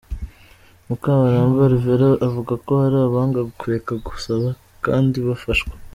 Mukabaramba Alvera, avuga ko hari abanga kureka gusaba kandi bafashwa.